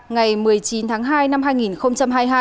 ngày một mươi chín tháng hai năm hai nghìn hai mươi hai